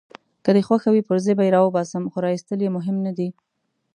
که دي خوښه وي پرزې به يې راوباسم، خو راایستل يې مهم نه دي.